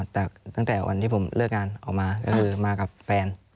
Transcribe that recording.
แต่ตั้งแต่วันที่ผมเลิกงานออกมาก็คือมากับแฟน